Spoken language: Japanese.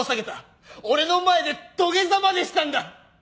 俺の前で土下座までしたんだ！